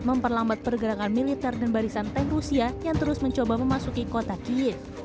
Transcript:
memperlambat pergerakan militer dan barisan tank rusia yang terus mencoba memasuki kota kiev